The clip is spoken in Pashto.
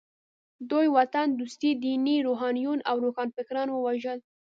دوی وطن دوسته ديني روحانيون او روښانفکران ووژل.